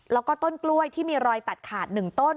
แล้วก็ต้นกล้วยที่มีรอยตัดขาด๑ต้น